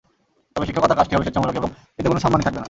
তবে শিক্ষকতার কাজটি হবে স্বেচ্ছামূলক এবং এতে কোনো সম্মানী থাকবে না।